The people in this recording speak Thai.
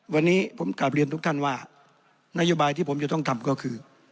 วันนี้ผมกลับเรียนทุกท่านว่านโยบายที่ผมจะต้องทำก็คือ